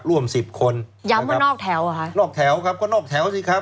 ร่วมสิบคนย้ำว่านอกแถวเหรอคะนอกแถวครับก็นอกแถวสิครับ